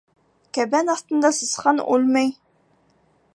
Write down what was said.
Кәбән аҫтында сысҡан үлмәй.